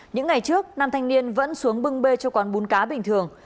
những ngày trước nam thanh niên vẫn xuống bưng bê cho con bún cá bình thường